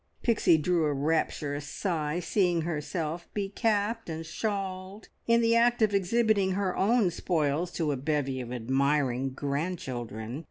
Pixie drew a rapturous sigh, seeing herself be capped and shawled, in the act of exhibiting her own spoils to a bevy of admiring grandchildren.